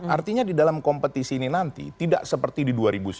artinya di dalam kompetisi ini nanti tidak seperti di dua ribu sembilan belas